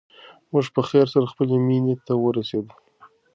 موږ په خیر سره خپلې مېنې ته ورسېدو.